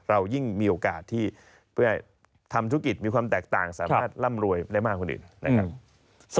เรายิ่งมีโอกาสที่เพื่อทำธุรกิจมีความแตกต่างสามารถร่ำรวยได้มากกว่าอื่นนะครับ